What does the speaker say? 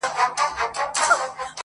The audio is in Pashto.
فرشتې زرغونوي سوځلي کلي!